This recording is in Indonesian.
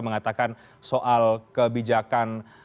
mengatakan soal kebijakan